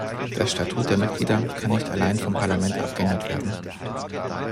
Das Statut der Mitglieder kann nicht allein vom Parlament abgeändert werden.